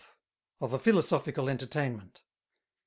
_Of a Philosophical Entertainment.